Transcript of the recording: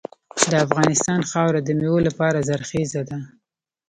د افغانستان خاوره د میوو لپاره زرخیزه ده.